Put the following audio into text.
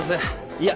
いや。